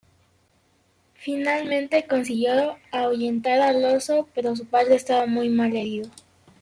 Finalmente consiguió ahuyentar al oso, pero su padre estaba muy mal herido.